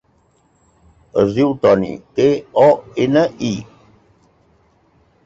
Es diu Toni: te, o, ena, i.